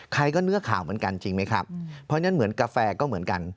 ใครก็เนื้อข่าวเหมือนกันจริงไหมครับเพราะฉะนั้นเหมือนกาแฟก็เหมือนกัน